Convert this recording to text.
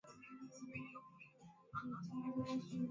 mwaka elfu moja mia tisa themanini na nne